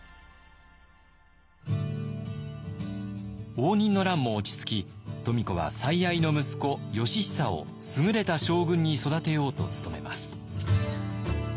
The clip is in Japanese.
応仁の乱も落ち着き富子は最愛の息子義尚を優れた将軍に育てようと努めます。